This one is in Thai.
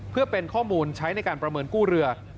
เพื่อเป็นข้อมูลใช้ในการประเมินกู้เรือ